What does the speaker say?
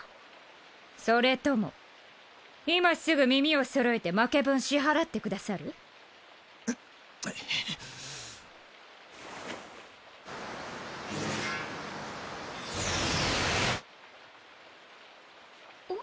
それとも今すぐ耳をそろえて負け分支払ってくださる？ん